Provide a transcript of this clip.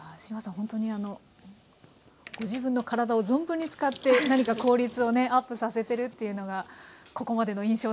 ほんとにあのご自分の体を存分に使って何か効率をねＵＰさせてるっていうのがここまでの印象です。